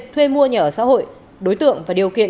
thuê mua nhà ở xã hội đối tượng và điều kiện